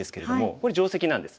これ定石なんです。